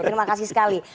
terima kasih sekali